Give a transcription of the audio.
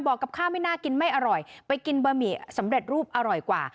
กับข้าวไม่น่ากินไม่อร่อยไปกินบะหมี่สำเร็จรูปอร่อยกว่า